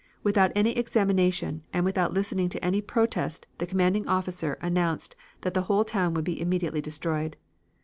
Without any examination and without listening to any protest the commanding officer announced that the town would be immediately destroyed.